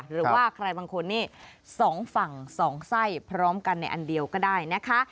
หรือว่าใครบางคนนี่๒ฝั่ง๒ไส้พร้อมกันในอันเดียวก็ได้นะคะ